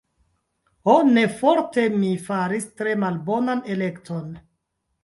Ho, ne forte, mi faris tre malbonan elekton.